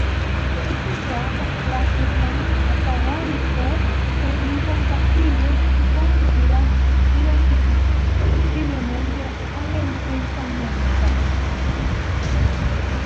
Los intereses de ambas clases son antagónicos e incompatibles y conducirán indefectiblemente al enfrentamiento.